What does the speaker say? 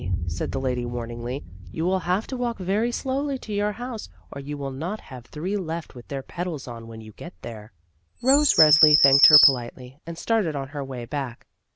said the lady warningly, "you will have to walk very slowly to your house, or you will not have three left with their petals on when you get there." Rose Resli thanked her politely and started on her way back.